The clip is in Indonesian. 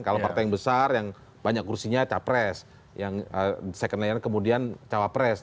kalau partai yang besar yang banyak kursinya capres yang second layer kemudian cawapres